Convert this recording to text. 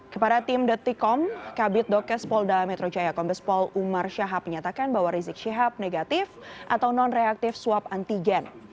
kepada tim detikom kabit dokes polda metro jaya kombespol umar syahab menyatakan bahwa rizik syihab negatif atau non reaktif swab antigen